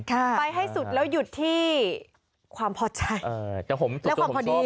ไปให้สุดแล้วหยุดที่ความพอใจ